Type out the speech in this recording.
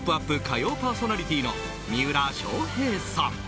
火曜パーソナリティーの三浦翔平さん。